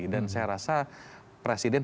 dan saya rasa presiden